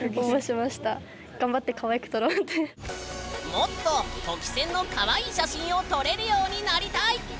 もっととき宣のかわいい写真を撮れるようになりたい！